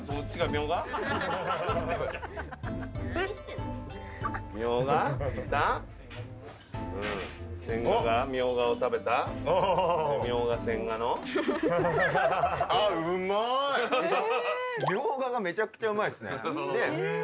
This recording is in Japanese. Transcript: ミョウガがめちゃくちゃうまいっすね。